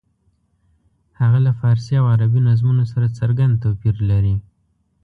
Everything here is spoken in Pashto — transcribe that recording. هغه له فارسي او عربي نظمونو سره څرګند توپیر لري.